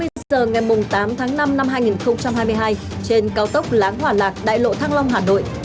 hai mươi h ngày tám tháng năm năm hai nghìn hai mươi hai trên cao tốc láng hòa lạc đại lộ thăng long hà nội